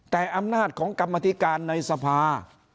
แต่อำนาจของกรรมธิการในสภา